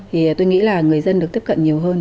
thì tôi nghĩ là người dân được tiếp cận nhiều hơn